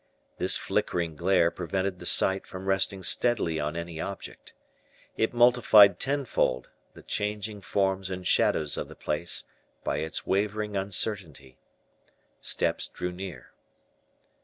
This flickering glare prevented the sight from resting steadily on any object. It multiplied tenfold the changing forms and shadows of the place, by its wavering uncertainty. Steps drew near.